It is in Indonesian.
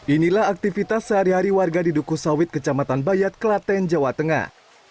inilah aktivitas sehari hari warga di duku sawit kecamatan bayat klaten jawa tengah